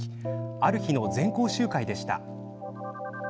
ある日の全校集会でした。